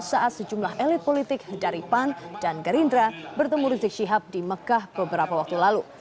saat sejumlah elit politik dari pan dan gerindra bertemu rizik syihab di mekah beberapa waktu lalu